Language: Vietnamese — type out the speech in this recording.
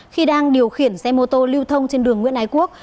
khi đang điều khiển xe mô tô lưu thông trên đường nguyễn ái quốc